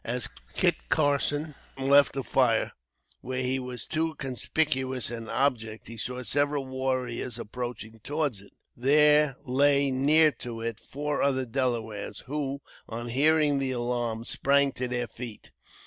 As Kit Carson left the fire, where he was too conspicuous an object, he saw several warriors approaching towards it. There lay near to it four other Delawares, who, on hearing the alarm, sprang to their feet.